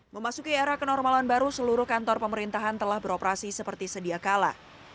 memasuki era kenormalan baru seluruh kantor pemerintahan telah beroperasi seperti sedia kala